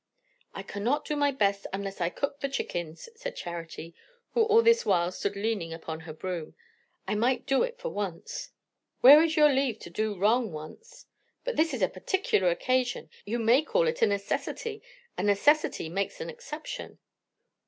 "I cannot do my best, unless I can cook the chickens," said Charity, who all this while stood leaning upon her broom. "I might do it for once." "Where is your leave to do wrong once?" "But this is a particular occasion you may call it a necessity; and necessity makes an exception."